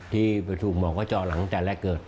ที่ถูกหมอกว่าเจาะหลังแต่แรกเกิด